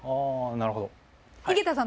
なるほど。